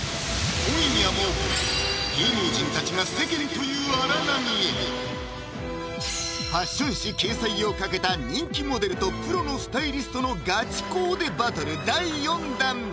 今夜も芸能人たちが世間という荒波へファッション誌掲載を懸けた人気モデルとプロのスタイリストのガチコーデバトル第４弾！